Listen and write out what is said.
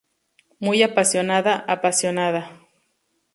muy apasionada. apasionada.